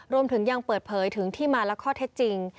รวมถึงยังเปิดเผยถึงที่มาและข้อเท็จจริง